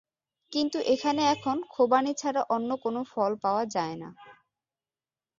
কিন্তু এখানে এখন খোবানি ছাড়া অন্য কোন ফল পাওয়া যায় না।